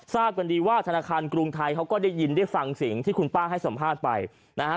ทราบกันดีว่าธนาคารกรุงไทยเขาก็ได้ยินได้ฟังสิ่งที่คุณป้าให้สัมภาษณ์ไปนะฮะ